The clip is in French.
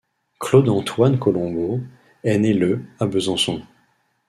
Claude-Antoine Colombot est né le à Besançon.